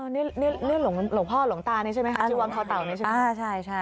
นี่หลวงพ่อหลวงตาใช่ไหมครับจีบว้านคอเตาก็นี่ใช่ค่ะ